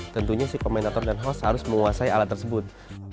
tentunya si komentator dan host harus menguasai alat tersebut